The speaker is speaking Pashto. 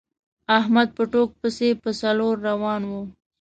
احمد په ټوک پسې په څلور روان وي.